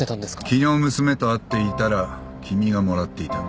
昨日娘と会っていたら君がもらっていた。